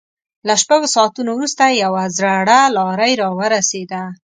له شپږو ساعتونو وروسته يوه زړه لارۍ را ورسېده.